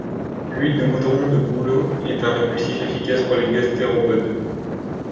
L'huile de goudron de bouleau est un répulsif efficace pour les gastéropodes.